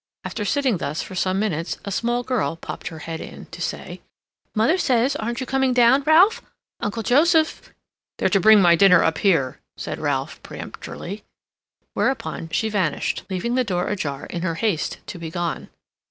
After sitting thus for some minutes a small girl popped her head in to say, "Mother says, aren't you coming down, Ralph? Uncle Joseph—" "They're to bring my dinner up here," said Ralph, peremptorily; whereupon she vanished, leaving the door ajar in her haste to be gone.